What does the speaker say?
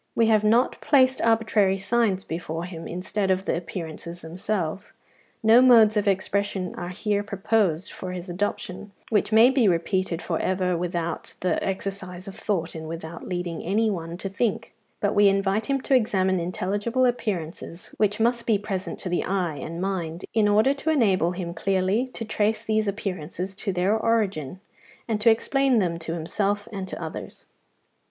We have not placed arbitrary signs before him instead of the appearances themselves; no modes of expression are here proposed for his adoption which may be repeated for ever without the exercise of thought and without leading any one to think; but we invite him to examine intelligible appearances, which must be present to the eye and mind, in order to enable him clearly to trace these appearances to their origin, and to explain them to himself and to others.